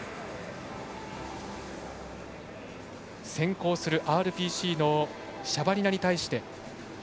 先行するＲＰＣのシャバリナに対して。